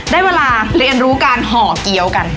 ได้เวลาเรียนรู้การห่อเกี้ยวกัน